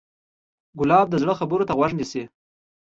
ګلاب د زړه خبرو ته غوږ نیسي.